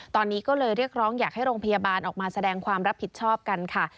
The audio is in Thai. ตอนนี้ก็เลยเรียกร้องอยากให้โรงพยาบาลออกมาแสดงความรับผิดชอบกันค่ะ